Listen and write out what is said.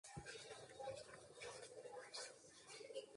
However, it was Tower Bridge that made Wolfe Barry's name.